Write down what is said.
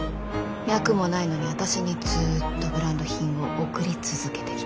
脈もないのに私にずっとブランド品を贈り続けてきた。